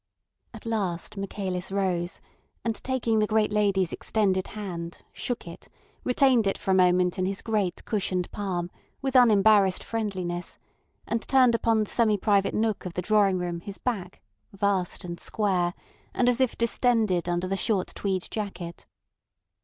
At last Michaelis rose, and taking the great lady's extended hand, shook it, retained it for a moment in his great cushioned palm with unembarrassed friendliness, and turned upon the semi private nook of the drawing room his back, vast and square, and as if distended under the short tweed jacket.